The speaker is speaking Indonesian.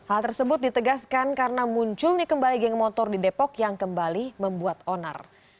hal tersebut ditegaskan karena munculnya kembali geng motor di depok yang kembali membuat onar